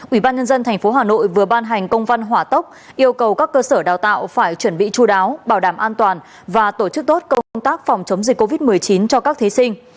ủy ban nhân dân tp hà nội vừa ban hành công văn hỏa tốc yêu cầu các cơ sở đào tạo phải chuẩn bị chú đáo bảo đảm an toàn và tổ chức tốt công tác phòng chống dịch covid một mươi chín cho các thí sinh